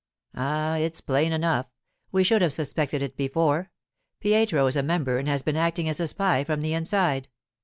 'Ah—it's plain enough. We should have suspected it before. Pietro is a member and has been acting as a spy from the inside.